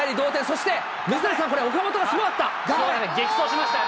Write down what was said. そして水谷さん、これ、岡本がす激走しましたよね。